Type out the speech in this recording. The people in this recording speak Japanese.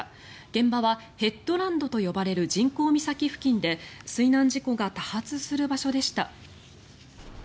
現場は、ヘッドランドと呼ばれる人工岬付近で水難事故が多発する場所でした。